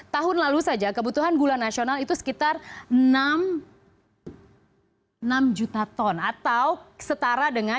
tahun lalu saja kebutuhan gula nasional itu sekitar enam juta ton atau setara dengan